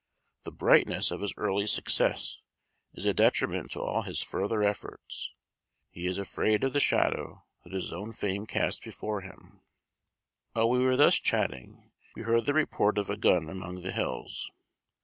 The brightness of his early success is a detriment to all his further efforts. He is afraid of the shadow that his own fame casts before him." While we were thus chatting, we heard the report of a gun among the hills.